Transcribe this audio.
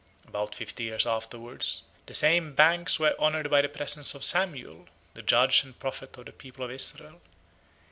72 About fifty years afterwards, the same banks were honored by the presence of Samuel, the judge and prophet of the people of Israel.